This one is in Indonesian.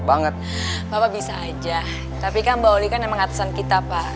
banget bapak bisa aja tapi kan mbak oli kan emang atasan kita pak